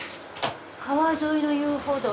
川沿いの遊歩道